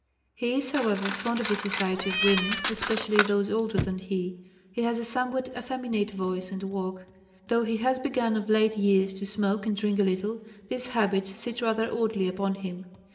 He is, however, fond of the society of women, especially those older than he. He has a somewhat effeminate voice and walk. Though he has begun of late years to smoke and drink a little, these habits sit rather oddly upon him.